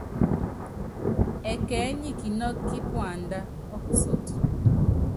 Ɛkɛɛ́ nyi kinɔ́kɔ́ kí puandá ɔ́kusɔtɔ.